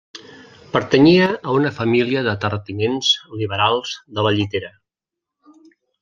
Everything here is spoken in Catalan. Pertanyia a una família de terratinents liberals de la Llitera.